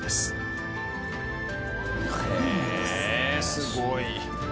すごい！